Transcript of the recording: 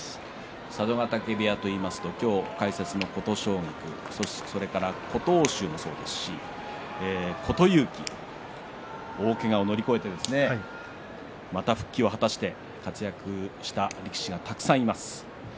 佐渡ヶ嶽部屋といいますと今日解説の琴奨菊それから琴欧洲もそうですし琴勇輝、大けがを乗り越えてまた復帰を果たして活躍をした力士がたくさんいます。